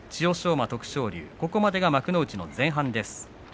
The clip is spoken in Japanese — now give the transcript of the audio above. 馬と徳勝龍までが幕内前半です。